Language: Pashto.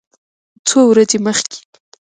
څو ورځې مخکې